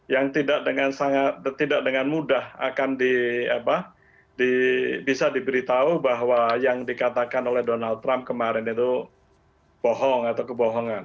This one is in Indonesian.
yang tidak dengan mudah akan bisa diberitahu bahwa yang dikatakan oleh donald trump kemarin itu bohong atau kebohongan